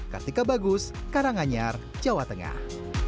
kartika bagus karanganyar jawa tengah